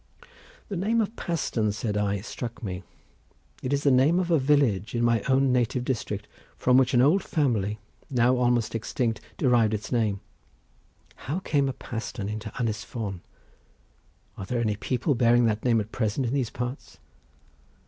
"The name of Paston," said I, "struck me; it is the name of a village in my own native district, from which an old family, now almost extinct, derived its name. How came a Paston into Ynis Fon? Are there any people bearing that name at present in these parts?"